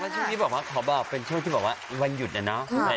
ช่วงนี้เป็นช่วงที่บอกว่าวันหยุดเนี่ยเนอะ